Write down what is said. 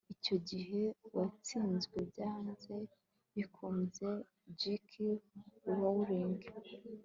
icyo gihe watsinzwe byanze bikunze - j k rowling